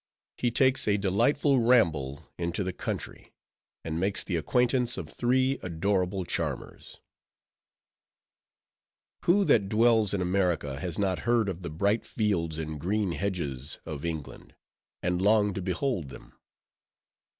HE TAKES A DELIGHTFUL RAMBLE INTO THE COUNTRY; AND MAKES THE ACQUAINTANCE OF THREE ADORABLE CHARMERS Who that dwells in America has not heard of the bright fields and green hedges of England, and longed to behold them?